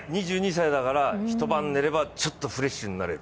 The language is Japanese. ２２歳だから一晩寝れば、ちょっとフレッシュになれる。